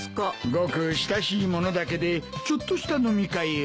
ごく親しい者だけでちょっとした飲み会を。